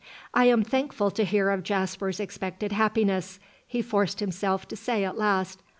"I am thankful to hear of Jasper's expected happiness," he forced himself to say at last.